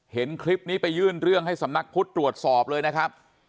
เห็นคลิปนี้ไปยื่นเรื่องให้สำนักพุทธตรวจสอบเลยนะครับ